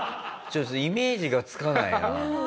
ちょっとイメージがつかないな。